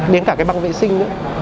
đến cả cái băng vệ sinh